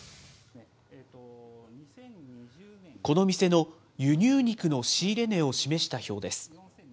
この店の輸入肉の仕入れ値を示した表です。